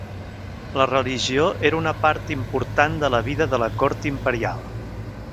La religió era una part important de la vida de la cort imperial.